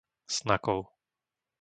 Snakov